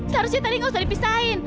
seharusnya tadi nggak usah dipisahin